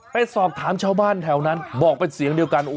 ไปสอบถามชาวบ้านแถวนั้นบอกเป็นเสียงเดียวกัน